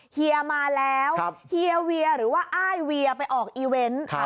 เฮียมาแล้วเฮียเวียหรือว่าอ้ายเวียไปออกอีเวนต์